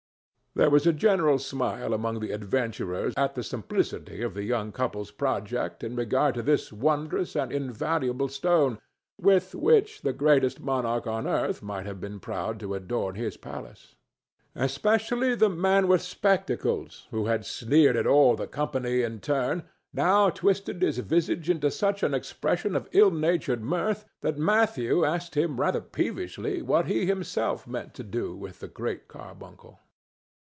There was a general smile among the adventurers at the simplicity of the young couple's project in regard to this wondrous and invaluable stone, with which the greatest monarch on earth might have been proud to adorn his palace. Especially the man with spectacles, who had sneered at all the company in turn, now twisted his visage into such an expression of ill natured mirth that Matthew asked him rather peevishly what he himself meant to do with the Great Carbuncle.